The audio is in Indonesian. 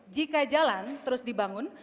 jika jalan terus dibangun